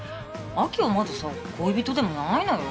亜紀はまださ恋人でもないのよ？